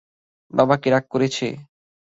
বাবা কি রাগ করেছে?